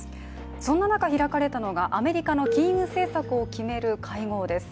そんな中、開かれたのがアメリカの金融政策を決める会合です。